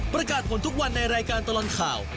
ประกาศผลทุกวันในรายการตลอดข่าว